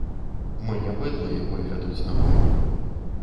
Мы не быдла, якое вядуць на бойню.